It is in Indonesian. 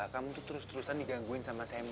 kamu tuh terus terusan digangguin sama saya